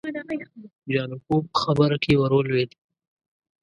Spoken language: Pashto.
جانکو په خبره کې ور ولوېد.